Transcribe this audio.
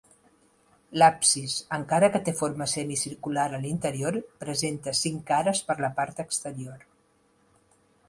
L'absis, encara que té forma semicircular a l'interior, presenta cinc cares per la part exterior.